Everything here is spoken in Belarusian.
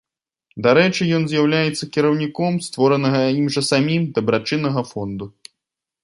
Дарэчы, ён з'яўляецца кіраўніком створанага ім жа самім дабрачыннага фонду.